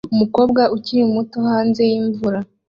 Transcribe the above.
Umukobwa ukiri muto hanze yimvura